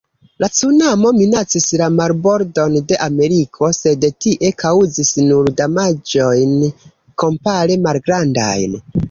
La cunamo minacis la marbordon de Ameriko, sed tie kaŭzis nur damaĝojn kompare malgrandajn.